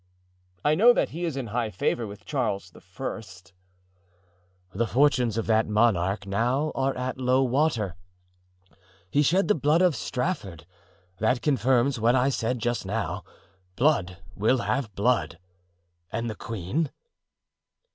"I know that he is in high favor with Charles I." "The fortunes of that monarch now are at low water. He shed the blood of Strafford; that confirms what I said just now—blood will have blood. And the queen?"